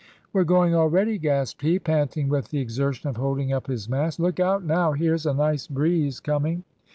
"We're going already," gasped he, panting with the exertion of holding up his mast. "Look out now! here's a nice breeze coming."